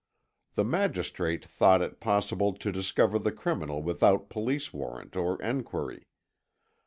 The magistrate thought it possible to discover the criminal without police warrant or enquiry.